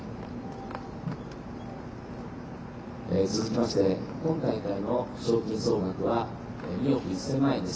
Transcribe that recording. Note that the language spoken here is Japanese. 続きまして、今大会の賞金総額は２億１０００万円です。